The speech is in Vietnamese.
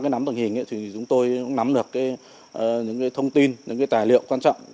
nắm tình hình thì chúng tôi cũng nắm được những thông tin những tài liệu quan trọng